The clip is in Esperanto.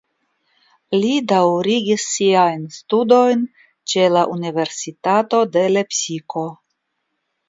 Li daŭrigis siajn studojn ĉe la Universitato de Lepsiko.